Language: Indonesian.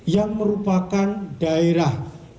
yang merupakan daerah